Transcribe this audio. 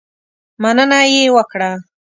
مننه یې وکړه.